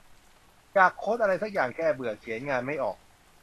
อยากโค้ดอะไรซักอย่างแก้เบื่อ เขียนงานไม่ออก